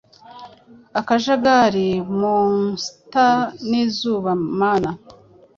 Akajagari Monster nizuba Mana